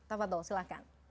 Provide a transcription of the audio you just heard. tafat doh silahkan